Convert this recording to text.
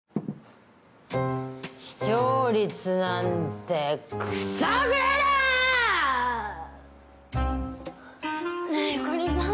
視聴率なんてくそ食らえだ！ねえゆかりさん